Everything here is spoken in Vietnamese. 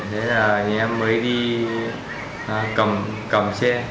thế là em mới đi cầm xe